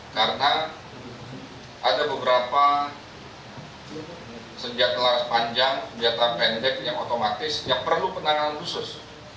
karena ada beberapa senjata panjang senjata pendek yang otomatis yang perlu penanganan khusus